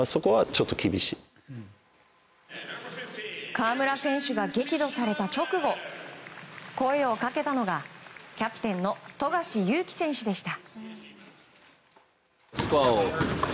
河村選手が激怒された直後、声をかけたのがキャプテンの富樫勇樹選手でした。